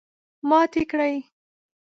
ماتې کړې.